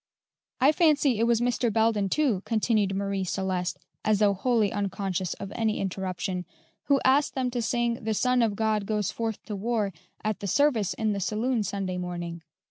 "I fancy it was Mr. Belden, too," continued Marie Celeste, as though wholly unconscious of any interruption, "who asked them to sing 'The Son of God goes forth to war' at the service in the saloon Sunday morning.